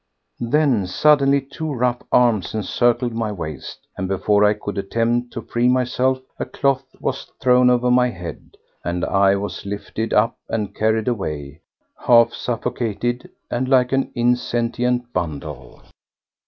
Then suddenly two rough arms encircled my waist, and before I could attempt to free myself a cloth was thrown over my head, and I was lifted up and carried away, half suffocated and like an insentient bundle.